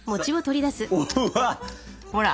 うわ。ほら。